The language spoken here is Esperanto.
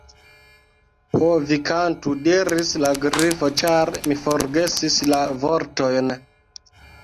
"Ho, vi kantu," diris la Grifo, "ĉar mi forgesis la vortojn."